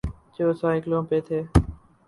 جو سائیکلوں پہ تھے۔